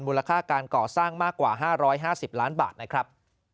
มูลค่าการก่อสร้างมากกว่า๕๕๐ล้านบาทนะครับ